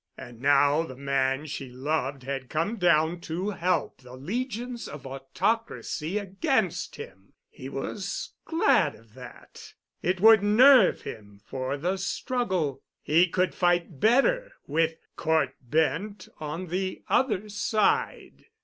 And now the man she loved had come down to help the legions of autocracy against him. He was glad of that. It would nerve him for the struggle. He could fight better with Cort Bent on the other side.